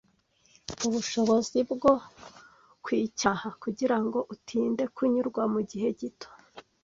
Ubushobozi bwo kwicyaha kugirango utinde kunyurwa mugihe gito